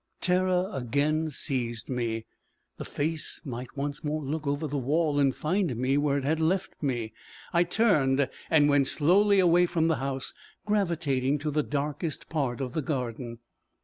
Terror again seized me: the face might once more look over the wall, and find me where it had left me! I turned, and went slowly away from the house, gravitating to the darkest part of the garden.